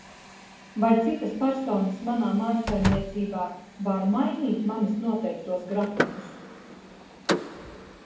Vai citas personas manā mājsaimniecībā var mainīt manis noteiktos grafikus?